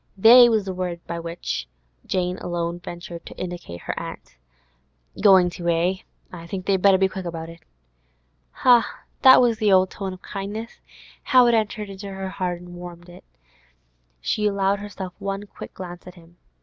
'They' was the word by which alone Jane ventured to indicate her aunt. 'Going to, eh? I think they'd better be quick about it.' Ha! that was the old tone of kindness! How it entered into her blood and warmed it! She allowed herself one quick glance at him.